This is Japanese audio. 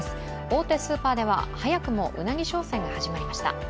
大手スーパーでは早くもうなぎ商戦が始まりました。